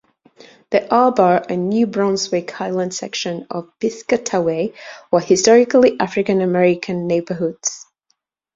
The Arbor and New Brunswick Highland sections of Piscataway were historically African American neighborhoods.